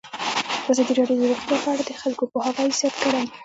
ازادي راډیو د روغتیا په اړه د خلکو پوهاوی زیات کړی.